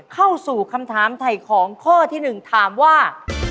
เข้าสู่คำถามถ่ายของข้อที่๑ถามว่า